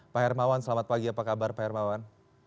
pak hermawan selamat pagi apa kabar pak hermawan